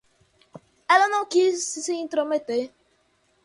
Ela não quis se intrometer.